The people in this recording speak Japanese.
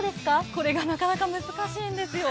これがなかなか難しいんですよ。